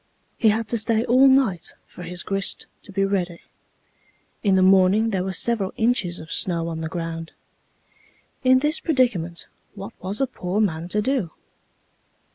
He had to stay all night for his grist to be ready. In the morning there were several inches of snow on the ground. In this predicament what was a poor man to do?